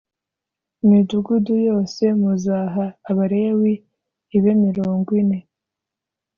Imidugudu yose muzaha Abalewi ibe mirongo ine